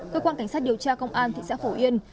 cơ quan cảnh sát điều tra công an thị xã phổ yên